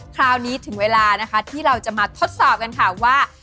คราวนี้ถึงเวลานะคะที่เราจะมาทดสอบกันค่ะว่า